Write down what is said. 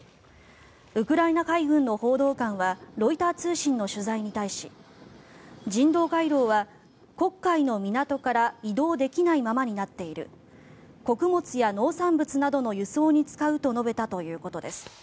ウクライナ海軍の報道官はロイター通信の取材に対し人道回廊は黒海の港から移動できないままになっている穀物や農産物などの輸送に使うと述べたということです。